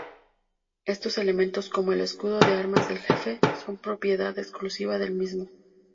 Estos elementos, como el escudo de armas del jefe, son propiedad exclusiva del mismo.